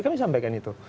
kami sampaikan itu